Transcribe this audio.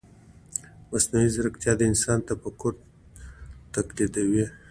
مصنوعي ځیرکتیا د انسان تفکر تقلیدوي.